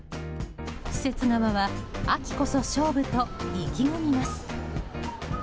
施設側は秋こそ勝負と意気込みます。